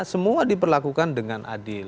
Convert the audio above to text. semua diperlakukan dengan adil